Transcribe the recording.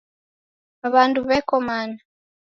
Wandu weko mana